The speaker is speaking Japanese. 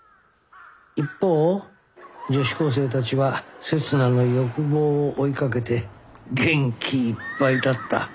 一方女子高生たちは刹那の欲望を追いかけて元気いっぱいだった。